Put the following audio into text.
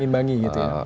mengimbangi gitu ya